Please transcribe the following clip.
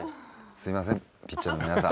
すいませんピッチャーの皆さん。